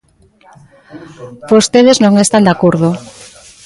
Vostedes non están de acordo.